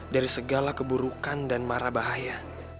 dari segala keburukan dan marah bahaya